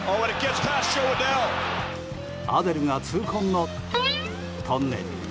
アデルが痛恨のトンネル。